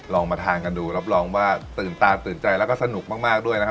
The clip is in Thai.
ลองมาทานกันดูรับรองว่าตื่นตาตื่นใจแล้วก็สนุกมากด้วยนะครับ